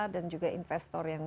dan juga investor yang